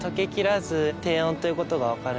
低温ということが分かるんですけど。